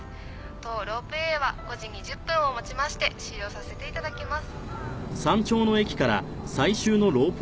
「当ロープウェイは５時２０分をもちまして終了させて頂きます」